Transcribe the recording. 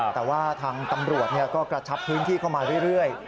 แต่ว่าทางตำรวจก็กระชับพื้นที่เข้ามาเรื่อย